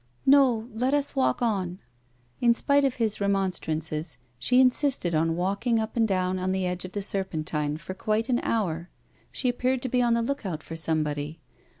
" No ; let us walk on," In spite of his remonstrances she insisted on walking uj) and down at the edge of the Serpen tine for quite an hour. She appeared to be on the look out for somebody.